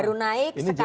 ini jadi pertanyaan